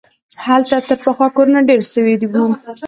هلته تر پخوا کورونه ډېر سوي وو.